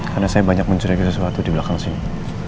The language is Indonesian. karena saya banyak mencurigai sesuatu di belakang sini